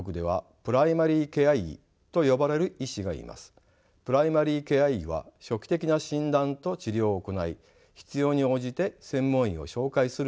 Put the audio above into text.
プライマリケア医は初期的な診断と治療を行い必要に応じて専門医を紹介する医師を指します。